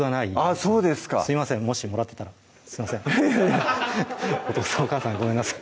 そうですかすいませんもしもらってたらすいませんお父さん・お母さんごめんなさい